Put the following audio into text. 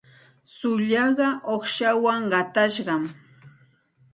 Tsullaaqa uuqshawan qatashqam.